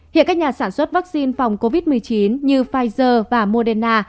hiện các nhà sản xuất vaccine phòng covid một mươi chín như pfizer và moderna